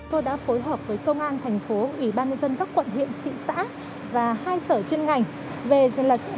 tôi đã phối hợp với công an thành phố ủy ban nhân dân các quận huyện thị xã và hai sở chuyên ngành